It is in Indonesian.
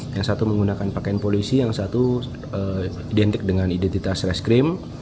yang satu menggunakan pakaian polisi yang satu identik dengan identitas reskrim